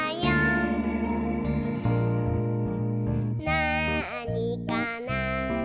「なあにかな？」